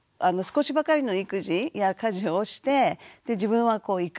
少しばかりの育児や家事をしてで自分はこう